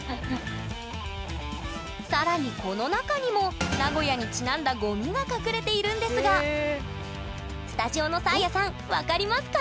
更にこの中にも名古屋にちなんだゴミが隠れているんですがスタジオのサーヤさん分かりますか？